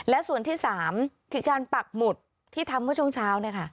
และส่วนที่๓คือการปักหมุดที่ทำเมื่อช่วงเช้า